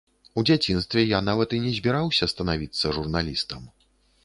У дзяцінстве я нават і не збіраўся станавіцца журналістам.